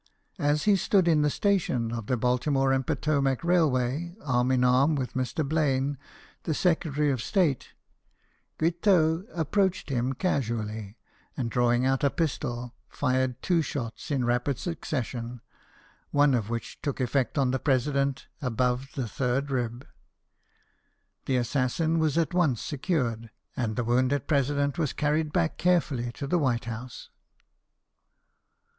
As he stood in the station of the Baltimore and Potomac Railway, arm in arm with Mr. Elaine, the Secretary of State, Guiteau approached him casually, and, drawing out a pistol, fired two shots in rapid succession, one of which took effect on the President above the third rib. The assassin was at once secured, and the wounded President was carried back carefully to the White House.